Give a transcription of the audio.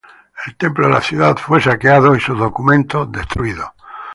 El templo de la ciudad fue saqueado y sus documentos destruidos.